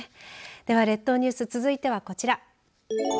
では列島ニュース続いてはこちら。